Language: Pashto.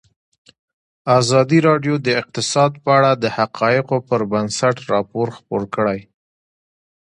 ازادي راډیو د اقتصاد په اړه د حقایقو پر بنسټ راپور خپور کړی.